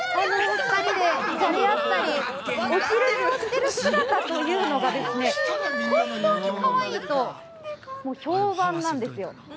２人でじゃれ合ったりお昼寝をしている姿というのがですね、本当にかわいいと評判なんですよ。